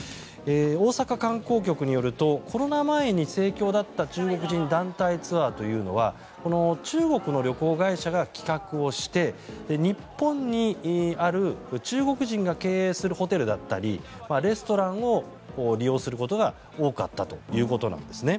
大阪観光局によるとコロナ前に盛況だった中国人団体ツアーというのは中国の旅行会社が企画をして日本にある中国人が経営するホテルだったりレストランを利用することが多かったということなんですね。